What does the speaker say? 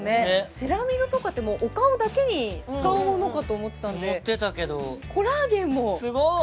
セラミドとかってお顔だけに使うものかと思ってたんで思ってたけどすごい！